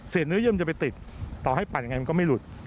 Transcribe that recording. เนื้อเยื่อมันจะไปติดต่อให้ปั่นยังไงมันก็ไม่หลุด